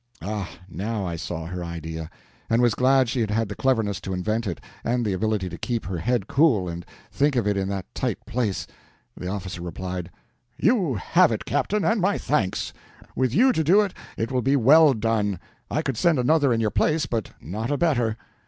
Ah, now I saw her idea, and was glad she had had the cleverness to invent it and the ability to keep her head cool and think of it in that tight place. The officer replied: "You have it, Captain, and my thanks. With you to do it, it will be well done; I could send another in your place, but not a better."